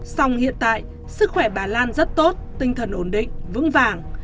song hiện tại sức khỏe bà lan rất tốt tinh thần ổn định vững vàng